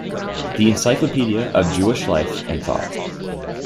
The Encyclopedia of Jewish Life and Thought.